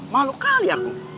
malu sekali aku